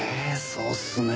そうっすね。